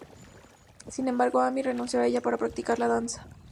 Sin embargo, Amy renunció a ella para practicar la danza.